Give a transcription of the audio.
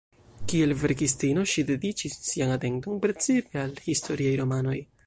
Kiel verkistino ŝi dediĉis sian atenton precipe al historiaj romanoj.